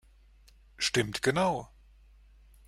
Stimmt genau!